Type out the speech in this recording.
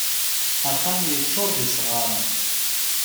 Axxam yeččur d isɣaren.